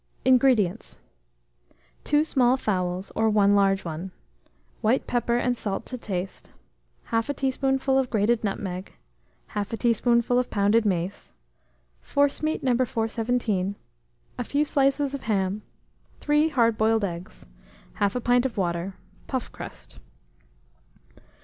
INGREDIENTS. 2 small fowls or 1 large one, white pepper and salt to taste, 1/2 teaspoonful of grated nutmeg, 1/2 teaspoonful of pounded mace, forcemeat No. 417, a few slices of ham, 3 hard boiled eggs, 1/2 pint of water, puff crust.